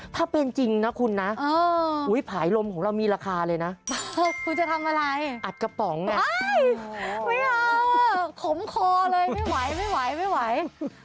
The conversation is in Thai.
ถ้าเป็นจริงนะคุณนะผายลมของเรามีราคาเลยนะคุณจะทำอะไรอัดกระป๋องอ่ะไม่เอาขมคอเลยไม่ไหวไม่ไหวไม่ไหวไม่ไหว